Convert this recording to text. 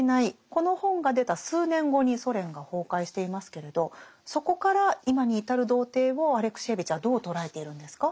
この本が出た数年後にソ連が崩壊していますけれどそこから今に至る道程をアレクシエーヴィチはどう捉えているんですか？